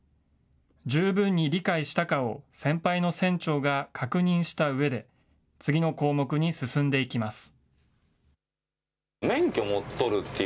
十分に理解したかを先輩の船長が確認したうえで、次の項目に進んでいきます。